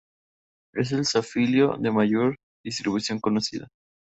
Es el zifio de mayor distribución conocida.